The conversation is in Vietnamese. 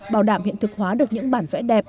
bảo đảm hiện thực hóa được những bản vẽ đẹp